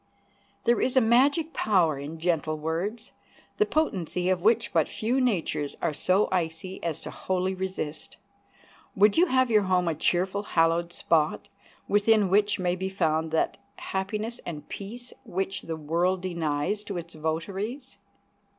There is a magic power in gentle words, the potency of which but few natures are so icy as to wholly resist. Would you have your home a cheerful, hallowed spot, within which may be found that happiness and peace which the world denies to its votaries?